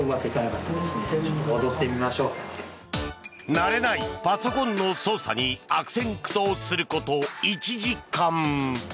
慣れないパソコンの操作に悪戦苦闘すること１時間。